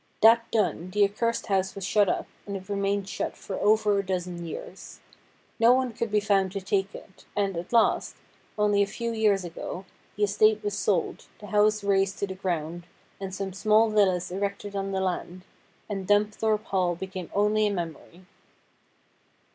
That done, the accursed house was shut up, and it remained shut for over a dozen years. No one could be found to take it ; and, at last, only a few years ago, the estate was sold, the house razed to the ground, and some small villas erected on the land, and Dumthorpe Hall became only a memory.